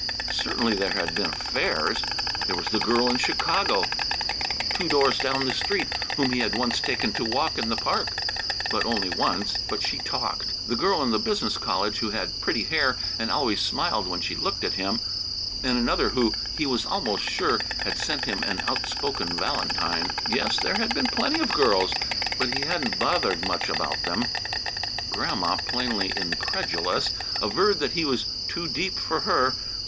Certainly there had been "affairs." There was the girl in Chicago, two doors down the street, whom he had once taken to walk in the park, but only once, because she talked; the girl in the business college who had pretty hair and always smiled when she looked at him; and another who, he was almost sure, had sent him an outspoken valentine; yes, there had been plenty of girls, but he hadn't bothered much about them. And Grandma, plainly incredulous, averred that he was too deep for her.